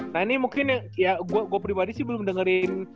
nah ini mungkin ya gue pribadi sih belum dengerin